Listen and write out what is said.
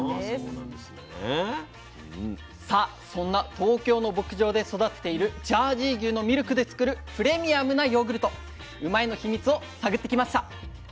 さあそんな東京の牧場で育てているジャージー牛のミルクで作るプレミアムなヨーグルトうまいッ！のヒミツを探ってきました。